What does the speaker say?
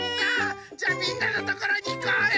じゃあみんなのところにいこうよ！